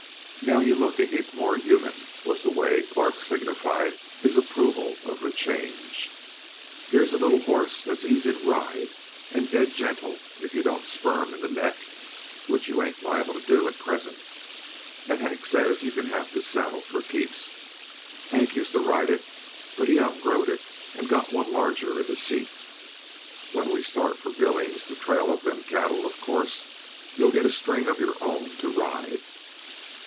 "Now yuh look a heap more human," was the way Park signified his approval of the change. "Here's a little horse that's easy to ride and dead gentle if yuh don't spur him in the neck, which you ain't liable to do at present; and Hank says you can have this saddle for keeps. Hank used to ride it, but he out growed it and got one longer in the seat. When we start for Billings to trail up them cattle, of course you'll get a string of your own to ride."